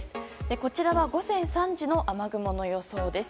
こちらは午前３時の雨雲の予想です。